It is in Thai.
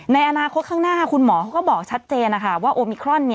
ในอนาคตข้างหน้าคุณหมอเขาก็บอกชัดเจนนะคะว่าโอมิครอน